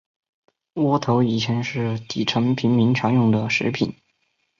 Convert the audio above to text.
窝头以前是底层平民常用的食品。